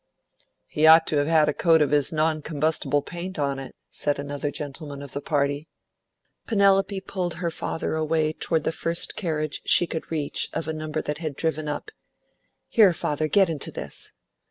"He ought to have had a coat of his noncombustible paint on it," said another gentleman of the party. Penelope pulled her father away toward the first carriage she could reach of a number that had driven up. "Here, father! get into this."